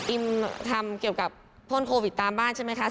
ทำเกี่ยวกับพ่นโควิดตามบ้านใช่ไหมคะ